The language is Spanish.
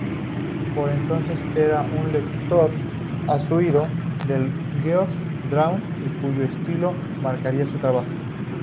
Por entonces, era un lector asiduo de Geoff Darrow, cuyo estilo marcaría su trabajo.